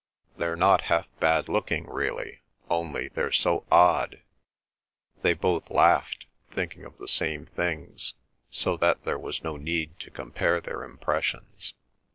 "They're not half bad looking, really—only—they're so odd!" They both laughed, thinking of the same things, so that there was no need to compare their impressions.